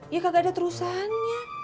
ya kagak ada terusannya